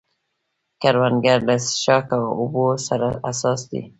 کروندګر له څښاک اوبو سره حساس دی